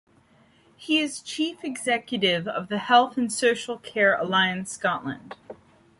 He is Chief Executive of the Health and Social Care Alliance Scotland.